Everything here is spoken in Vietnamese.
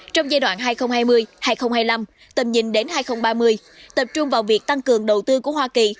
trong giai đoạn hai nghìn hai mươi hai nghìn hai mươi năm tầm nhìn đến hai nghìn ba mươi tập trung vào việc tăng cường đầu tư của hoa kỳ